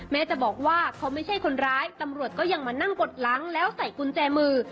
แม้จะบอกว่าเขาไม่ใช่คนร้ายตำรวจก็ยังมานั่งกดหลังแล้วใส่กุญแจมือ